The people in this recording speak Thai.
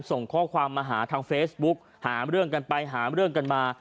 ส่งข้อความมาหาทางเฟซบุ๊กหาเรื่องกันไปหาเรื่องกันมา